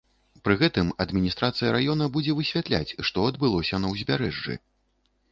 Пры гэтым адміністрацыя раёна будзе высвятляць, што адбылося на ўзбярэжжы.